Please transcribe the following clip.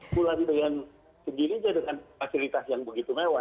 pulang dengan sendiri saja dengan fasilitas yang begitu mewah